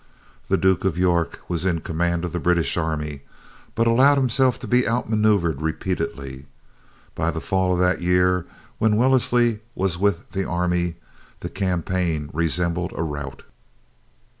The Duke of York was in command of the British army, but allowed himself to be out maneuvered repeatedly. By the Fall of that year, when Wellesley was with the army, the campaign resembled a rout.